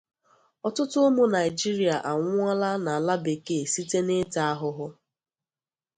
Otutu umu Nigeria anwuala n’ala bekee site na ita ahuhu